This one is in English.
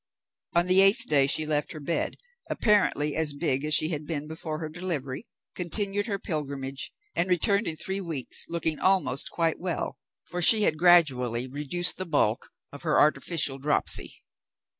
On the eighth day she left her bed, apparently as big as she had been before her delivery, continued her pilgrimage, and returned in three weeks, looking almost quite well, for she had gradually reduced the bulk of her artificial dropsy.